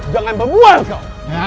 jangan membual kau